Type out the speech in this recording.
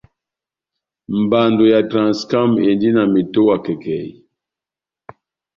Mbando ya Transcam endi na metowa kɛkɛhi.